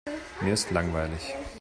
Mir ist langweilig.